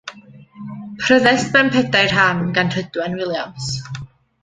Pryddest mewn pedair rhan gan Rhydwen Williams.